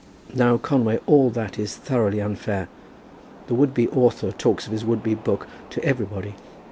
"Now, Conway, all that is thoroughly unfair. The would be author talks of his would be book to everybody.